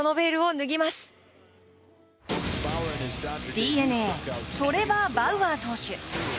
ＤｅＮＡトレバー・バウアー投手。